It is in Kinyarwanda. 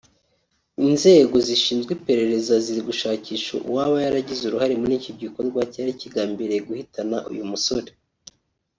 Inzego zishinzwe iperereza ziri gushakisha uwaba yaragize uruhare muri iki gikorwa cyari kigambiriye guhitana uyu musore